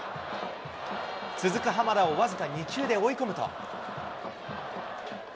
続く濱田を僅か２球で追い込むと。